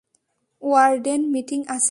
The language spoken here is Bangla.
ওয়ার্ডেন মিটিং আছে।